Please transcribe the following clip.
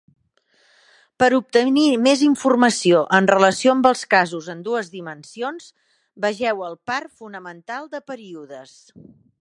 Per obtenir més informació en relació amb els casos en dues dimensions, vegeu el par fonamental de períodes.